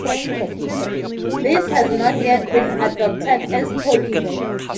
This has not yet been adopted as policy.